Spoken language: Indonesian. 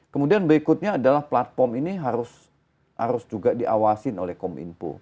kemudian berikutnya adalah platform ini harus juga diawasin oleh kominfo